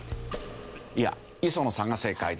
いや磯野さんが正解です。